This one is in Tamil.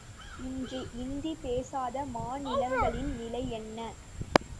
இன்று இந்தி பேசாத மாநிலங்களின் நிலை என்ன?